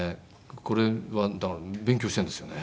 これは勉強してるんですよね。